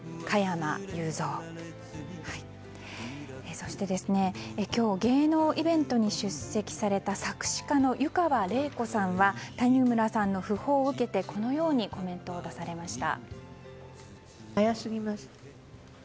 そして、今日芸能イベントに出席された作詞家の湯川れい子さんは谷村さんの訃報を受けてこのようにコメントを出されました。